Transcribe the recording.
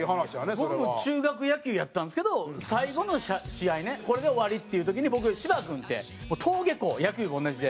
僕も中学野球やったんですけど最後の試合ねこれで終わりっていう時に僕シバ君って登下校野球部同じで。